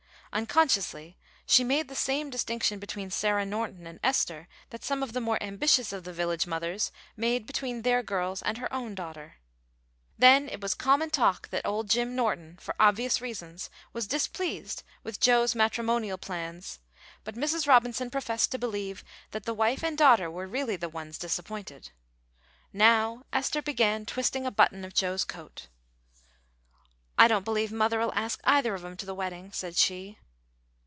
Unconsciously she made the same distinction between Sarah Norton and Esther that some of the more ambitious of the village mothers made between their girls and her own daughter. Then it was common talk that old Jim Norton, for obvious reasons, was displeased with Joe's matrimonial plans, but Mrs. Robinson professed to believe that the wife and daughter were really the ones disappointed. Now Esther began twisting a button of Joe's coat. "I don't believe mother'll ask either of 'em to the wedding," said she.